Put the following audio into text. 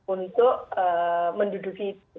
untuk menduduki itu